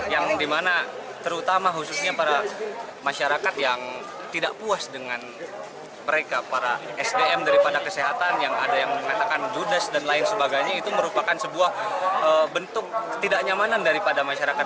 yang dimana terutama khususnya para masyarakat yang tidak puas dengan mereka para sdm daripada kesehatan yang ada yang mengatakan dudes dan lain sebagainya itu merupakan sebuah bentuk ketidaknyamanan daripada masyarakat